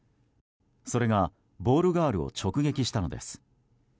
それが、ボールガールを直撃したのです。